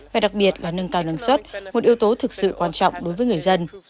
và đặc biệt là nâng cao năng suất một yếu tố thực sự quan trọng đối với người dân